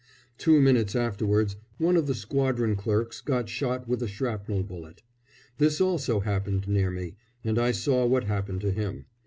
Two minutes afterwards, one of the squadron clerks got shot with a shrapnel bullet. This also happened near me, and I saw what happened to him.